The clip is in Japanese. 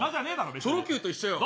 チョロＱと一緒やぞ。